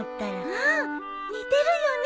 うん似てるよね